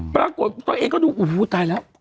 ปรากฏตัวเองก็ดูโอ้โหตายแล้ว